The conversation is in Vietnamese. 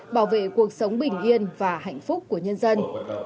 bảo vệ cuộc sống bình yên và hạnh phúc của nhân dân